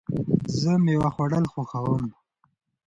زه مېوه خوړل خوښوم.